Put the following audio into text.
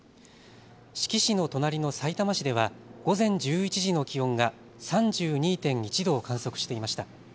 志木市の隣のさいたま市では午前１１時の気温が３２．１度を観測していました。